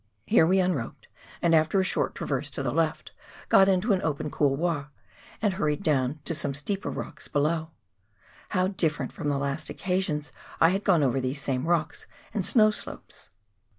Here we unroped, and after a short traverse to the left got into an open couloir and hurried down to some steeper rocks below. How different from the last occasions I had gone over these same rocks and snow slopes